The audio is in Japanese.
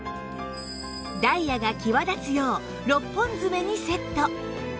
ダイヤが際立つよう６本爪にセット